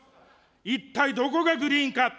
一体どこがグリーンか。